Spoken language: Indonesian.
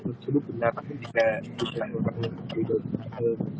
mungkin jika itu tidak mengakibatkan kebijinan daripada pom